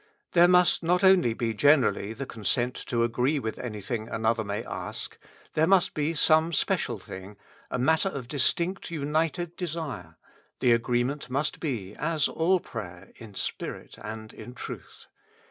There must not only be generally the consent to agree with anything another may ask: there must be some special thing, matter of distinct united desire ; the agreement must be, as all prayer, in spirit and in truth.